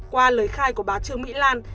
qua lời khai của bà trương mỹ lan